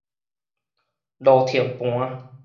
落停盤